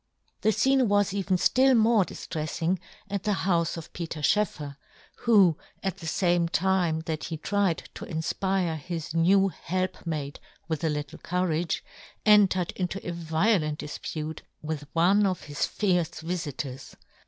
The fcene was even ftill more dif trefiing at the houfe of Peter Schoeffer, who, at the fame time that he tried to infpire his new helpmate with a little courage, entered into a violent difpute with one of his fierce vifitors.